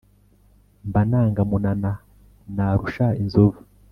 mba nanga munana, narusha inzovu !"